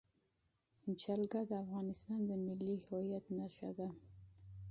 جلګه د افغانستان د ملي هویت نښه ده.